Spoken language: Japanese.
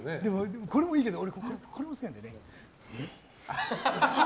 これもいいけど俺、これも好きなんだよね。